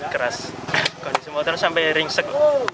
keras kondisi motor sampai ringsek